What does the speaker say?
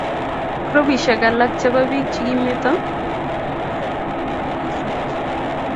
Grupishek alak chebo bik chikimeto emet nenywa kokisuochi.